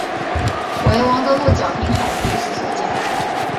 为王得禄剿平海贼时所建。